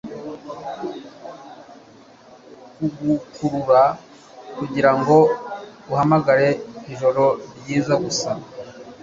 Kugukurura kugirango uhamagare ijoro ryiza gusa